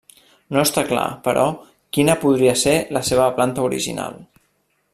No està clar, però, quina podria ser la seva planta original.